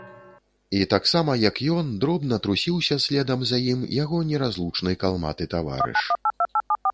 І таксама, як ён, дробна трусіўся следам за ім яго неразлучны калматы таварыш.